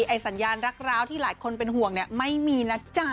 ไอ้สัญญาณรักร้าวที่หลายคนเป็นห่วงเนี่ยไม่มีนะจ๊ะ